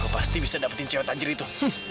gua pasti bisa dapetin cewek tajir itu